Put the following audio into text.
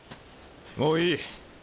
もういい。